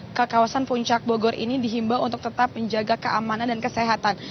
pemilik kepolisian dan bisnis puncak bogor ini dihimbau untuk tetap menjaga keamanan dan kesehatan